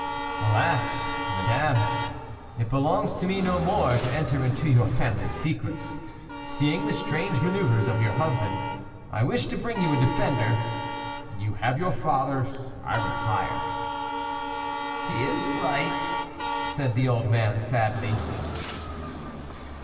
"Alas! madame! it belongs to me no more to enter into your family secrets. Seeing the strange maneuvers of your husband, I wished to bring you a defender; you have your father, I retire." "He is right," said the old man, sadly.